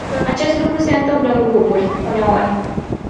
Acest lucru se întâmplă în grupuri, uneori.